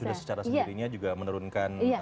karena tubuhnya secara sendirinya juga menurunkan prosesnya